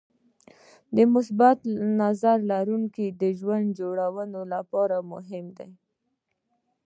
د مثبت نظر لرل د ژوند جوړولو لپاره مهم دي.